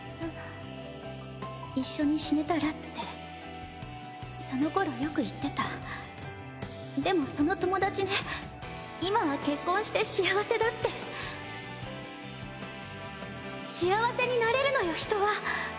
「一緒に死ねたら」ってそのころよく言ってたでもその友達ね今は結婚して幸せだ幸せになれるのよ人は。